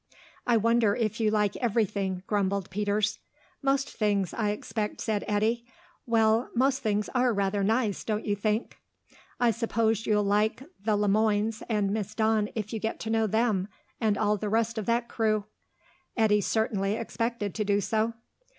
"I wonder if you like everything," grumbled Peters. "Most things, I expect," said Eddy. "Well, most things are rather nice, don't you think?" "I suppose you'll like the Le Moines and Miss Dawn if you get to know them. And all the rest of that crew." Eddy certainly expected to do so.